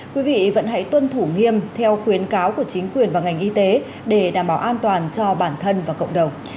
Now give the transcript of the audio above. quý vị vẫn hãy tuân thủ nghiêm theo khuyến cáo của chính quyền và ngành y tế để đảm bảo an toàn cho bản thân và cộng đồng